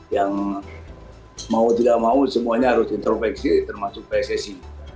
yang mau tidak mau semuanya harus introveksi termasuk pssi